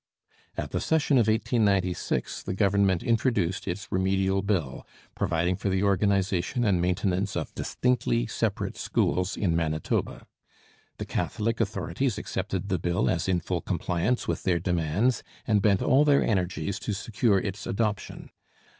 At the session of 1896 the Government introduced its Remedial Bill, providing for the organization and maintenance of distinctly separate schools in Manitoba. The Catholic authorities accepted the bill as in full compliance with their demands, and bent all their energies to secure its adoption.